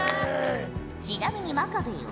ちなみに真壁よ。